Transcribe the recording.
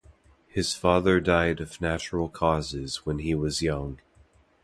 His father died of natural causes when he was young.